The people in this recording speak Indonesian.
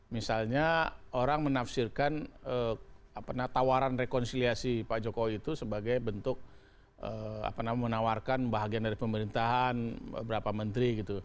misalnya orang menafsirkan tawaran rekonsiliasi pak jokowi itu sebagai bentuk menawarkan bahagian dari pemerintahan beberapa menteri gitu